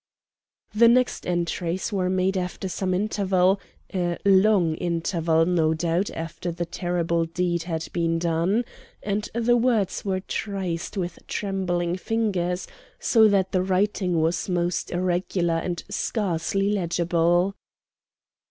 The next entries were made after some interval, a long interval, no doubt, after the terrible deed had been done, and the words were traced with trembling fingers, so that the writing was most irregular and scarcely legible.